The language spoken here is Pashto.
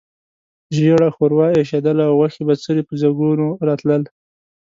ژېړه ښوروا اېشېدله او غوښې بڅري په ځګونو راتلل.